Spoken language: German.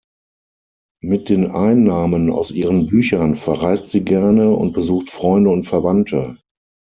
Mit den Einnahmen aus ihren Büchern verreist sie gerne und besucht Freunde und Verwandte.